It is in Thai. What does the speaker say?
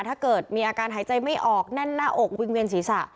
ถ้าเกิดมีอาการหายใจไม่ออกแน่นหน้าอกวิ่งเวียนศีรษะ